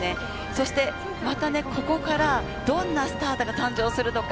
そして、またここからどんなスターが誕生するのか、